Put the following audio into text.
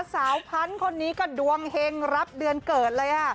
สาวพันธุ์คนนี้ก็ดวงเฮงรับเดือนเกิดเลย